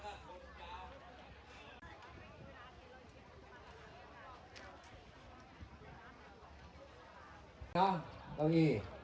เมื่อเมื่อเมื่อ